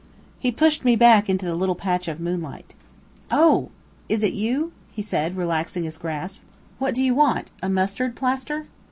He pushed me back into the little patch of moonlight. "Oh! is it you?" he said, relaxing his grasp. "What do you want? A mustard plaster?"